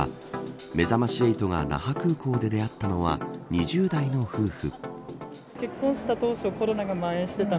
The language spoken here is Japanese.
めざまし８が那覇空港で出会ったのは２０代の夫婦。